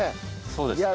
そうですね。